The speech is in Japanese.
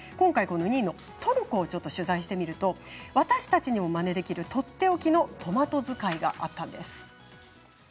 トルコを取材してみると私たちもまねできるとっておきのトマト使いがあったんです。